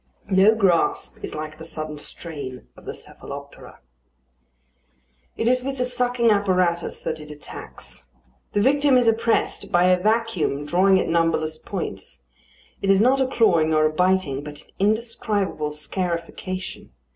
No grasp is like the sudden strain of the cephaloptera. It is with the sucking apparatus that it attacks. The victim is oppressed by a vacuum drawing at numberless points: it is not a clawing or a biting, but an indescribable scarification.